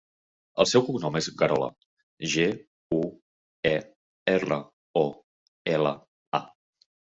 El seu cognom és Guerola: ge, u, e, erra, o, ela, a.